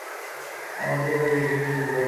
আমাকে ছাড়া কিছুই চলবে না।